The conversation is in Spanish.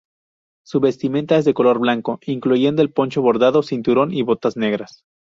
Su vestimenta es de color blanco, incluyendo el poncho bordado, cinturón y botas negras.